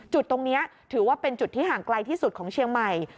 จุดตรงนี้ถือว่าเป็นจุดที่ห่างไกลที่สุดของเชียงใหม่